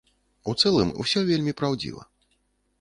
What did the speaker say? У цэлым усё вельмі праўдзіва.